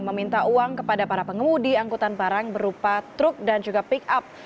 meminta uang kepada para pengemudi angkutan barang berupa truk dan juga pick up